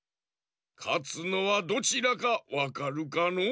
かつのはどちらかわかるかのう？